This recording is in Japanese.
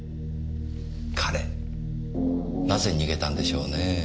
彼なぜ逃げたんでしょうねぇ。